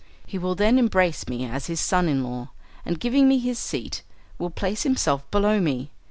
He will then embrace me as his son in law, and giving me his seat will place himself below me.